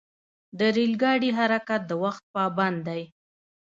د ریل ګاډي حرکت د وخت پابند دی.